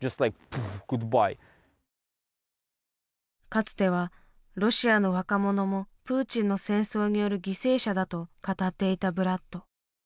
かつては「ロシアの若者もプーチンの戦争による犠牲者だ」と語っていたブラッド。